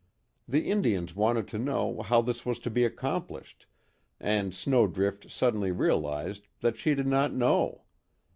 The Indians wanted to know how this was to be accomplished, and Snowdrift suddenly realized that she did not know.